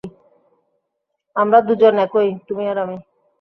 আমরা দুজন একই, তুমি এবং আমি।